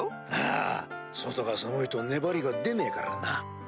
ああ外が寒いと粘りが出ねえからな。